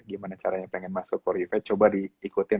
gimana caranya pengen masuk for you page coba diikutin